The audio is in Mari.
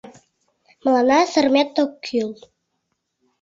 Мыланна сырымет ок кӱл...